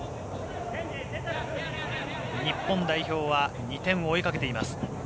日本代表は２点を追いかけています。